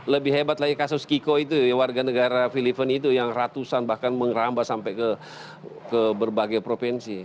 lebih hebat lagi kasus kiko itu ya warga negara filipina itu yang ratusan bahkan mengerambas sampai ke berbagai provinsi